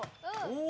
お。